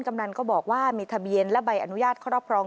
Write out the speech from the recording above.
ำนันก็บอกว่ามีทะเบียนและใบอนุญาตครอบครอง